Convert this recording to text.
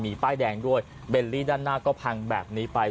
มีป้ายแดงด้วยเบลลี่ด้านหน้าก็พังแบบนี้ไป